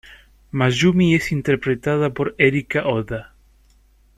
Mayumi es interpretada por Erika Oda.